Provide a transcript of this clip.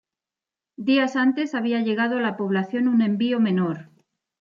Días antes había llegado a la población un envío menor.